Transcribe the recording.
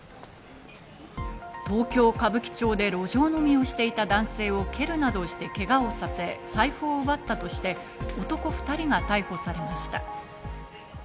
東京・歌舞伎町で路上飲みをしていた男性を蹴るなどしてけがをさせ、財布を奪ったとして、男２人が逮捕されました。